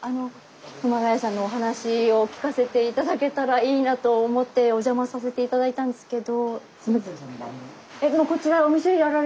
熊谷さんのお話を聞かせて頂けたらいいなと思ってお邪魔させて頂いたんですけど。